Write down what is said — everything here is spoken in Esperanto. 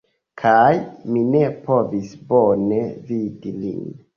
Kaj mi ne povis bone vidi lin